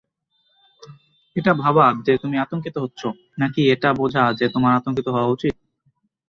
এটা ভাবা যে তুমি আতঙ্কিত হচ্ছো নাকি এটা বোঝা যে তোমার আতঙ্কিত হওয়া উচিত?